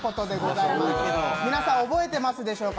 皆さん、覚えてますでしょうか。